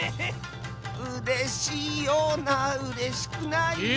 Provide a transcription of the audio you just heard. うれしいようなうれしくないような。